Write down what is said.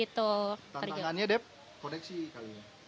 tantangannya deb koneksi kali ya